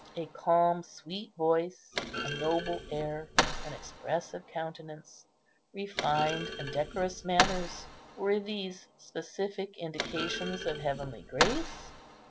A calm, sweet voice, a noble air, an expressive countenance, refined and decorous manners, were these specific indications of heavenly grace?